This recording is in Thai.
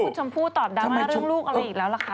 คุณชมพู่ตอบดราม่าเรื่องลูกอะไรอีกแล้วล่ะคะ